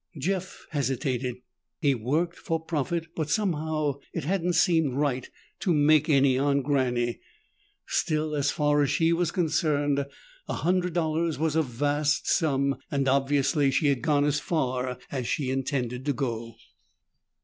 Jeff hesitated. He worked for profit, but somehow it hadn't seemed right to make any on Granny. Still, as far as she was concerned, a hundred dollars was a vast sum and obviously she had gone as far as she intended to go.